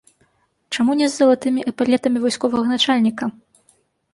Чаму не з залатымі эпалетамі вайсковага начальніка?